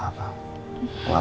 gak ada maksud lain